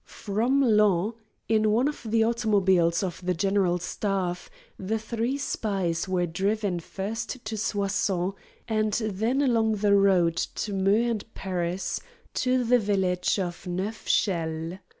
From Laon, in one of the automobiles of the General Staff, the three spies were driven first to Soissons, and then along the road to Meaux and Paris, to the village of Neufchelles.